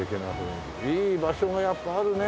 いい場所がやっぱあるね